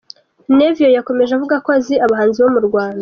Navio yakomeje avuga ko azi abahanzi bo mu Rwanda.